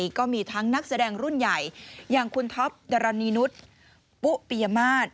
ก็มีทั้งนักแสดงรุ่นใหญ่อย่างคุณท็อปดารณีนุษย์ปุ๊ปิยมาตร